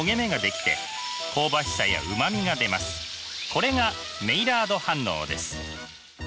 これがメイラード反応です。